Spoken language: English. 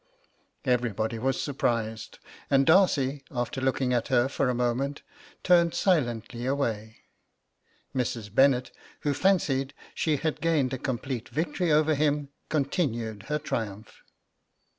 'Everybody was surprised, and Darcy, after looking at her for a moment, turned silently away. Mrs. Bennet, who fancied she had gained a complete victory over him, continued her triumph.'